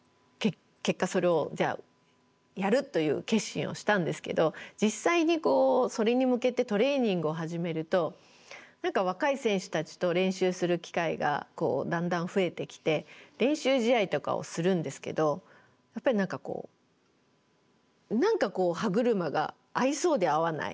結果それをじゃあやるという決心をしたんですけど実際にそれに向けてトレーニングを始めると何か若い選手たちと練習する機会がだんだん増えてきて練習試合とかをするんですけどやっぱり何かこう歯車が合いそうで合わない。